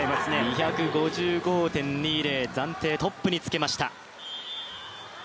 ２５５．２０、暫定トップにつけました。